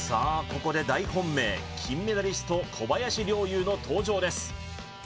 ここで大本命金メダリスト小林陵侑の登場です